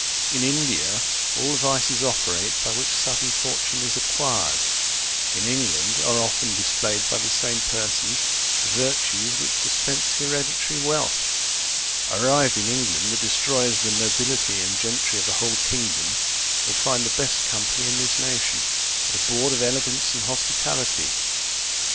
In India all the vices operate by which sudden fortune is acquired; in England are often displayed by the same persons, the virtues which dispense hereditary wealth. Arrived in England, the destroyers of the nobility and gentry of a whole kingdom will find the best company in this nation, at a board of elegance and hospitality.